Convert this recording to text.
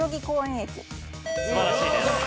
素晴らしいです。